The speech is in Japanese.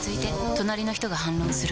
隣の人が反論する。